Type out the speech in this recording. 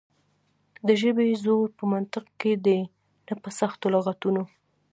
د ژبې زور په منطق کې دی نه په سختو لغتونو.